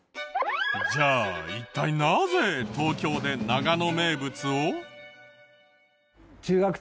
じゃあ一体なぜ東京で長野名物を？